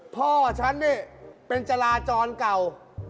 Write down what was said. พ่อฉันนี่เป็นจราจรเก่า